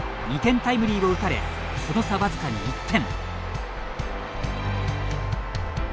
２点タイムリーを打たれその差、わずかに１点。